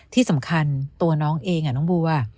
ที่สำคัญตัวน้องเองน้องบัว